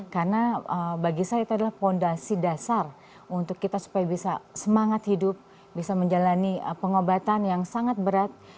karena bagi saya itu adalah fondasi dasar untuk kita supaya bisa semangat hidup bisa menjalani pengobatan yang sangat berat